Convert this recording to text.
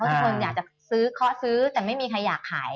ทุกคนอยากจะซื้อเคาะซื้อแต่ไม่มีใครอยากขาย